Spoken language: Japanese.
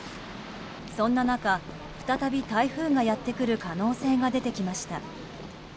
そんな中、再び台風がやってくる可能性が出てきました。